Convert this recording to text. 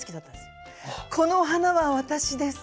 「この花は私です」